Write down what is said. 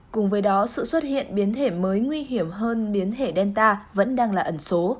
cùng với đó sự xuất hiện biến thể mới nguy hiểm hơn biến thể delta vẫn đang là ẩn số